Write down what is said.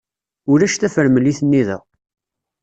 Ulac tafremlit-nni da.